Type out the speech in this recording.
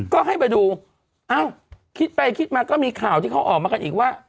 ก็ให้มาดูเอ้าคิดไปคิดมาก็มีข่าวที่เขาออกมากันอีกว่า